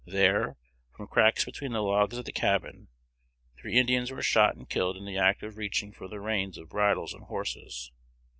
There, from cracks between the logs of the cabin, three Indians were shot and killed in the act of reaching for the reins of bridles on horses.